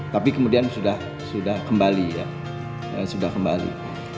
tapi kemudian sudah kembali